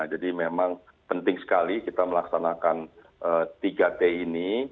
jadi memang penting sekali kita melaksanakan tiga t ini